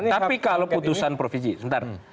tapi kalau putusan provisi sebentar